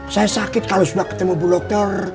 saya sakit kalau sudah ketemu bu dokter